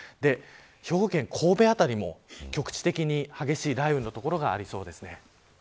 兵庫県神戸辺りも局地的に激しい雷雨の所がありそうです。